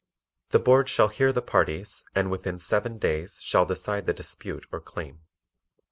The Board shall hear the parties and within seven (7) days shall decide the dispute or claim.